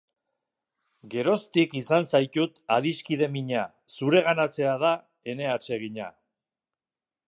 Geroztik izan zaitut adiskide mina, zureganatzea da ene atsegina.